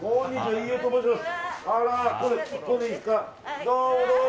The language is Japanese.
飯尾と申します。